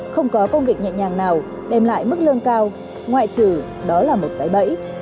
không có công việc nhẹ nhàng nào đem lại mức lương cao ngoại trừ đó là một cái bẫy